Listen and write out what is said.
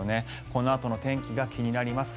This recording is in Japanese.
このあとの天気が気になります。